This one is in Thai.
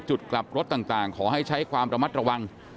จุดกลับรถต่างขอให้ใช้ความระมัดระวัง